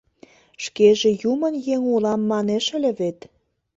Шкеже юмын еҥ улам манеш ыле вет.